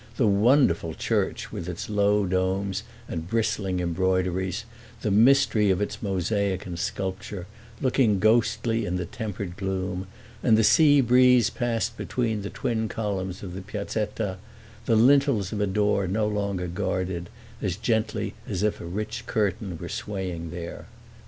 The wonderful church, with its low domes and bristling embroideries, the mystery of its mosaic and sculpture, looking ghostly in the tempered gloom, and the sea breeze passed between the twin columns of the Piazzetta, the lintels of a door no longer guarded, as gently as if a rich curtain were swaying there.